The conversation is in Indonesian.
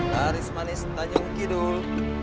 baris manis tanjung kidul